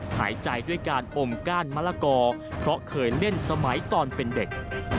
หายใจด้วยการอมก้านมะละกอเพราะเคยเล่นสมัยตอนเป็นเด็ก